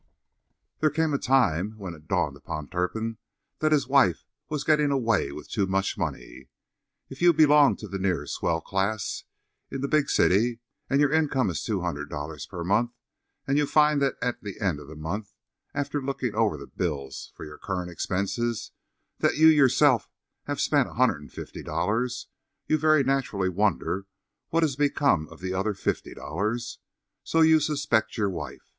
There came a time when it dawned upon Turpin that his wife was getting away with too much money. If you belong to the near swell class in the Big City, and your income is $200 per month, and you find at the end of the month, after looking over the bills for current expenses, that you, yourself, have spent $150, you very naturally wonder what has become of the other $50. So you suspect your wife.